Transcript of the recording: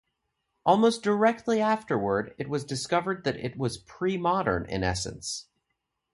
Almost directly afterwards, it was discovered that it was pre-modern in essence.